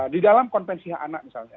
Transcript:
di dalam konvensi hak anak misalnya